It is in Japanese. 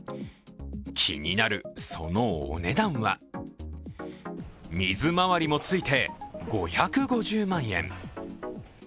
気になる、そのお値段は水回りもついて５５０万円。